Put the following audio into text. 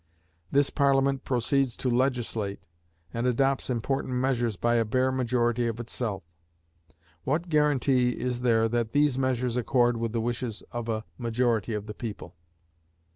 This Parliament proceeds to legislate, and adopts important measures by a bare majority of itself. What guaranty is there that these measures accord with the wishes of a majority of the people?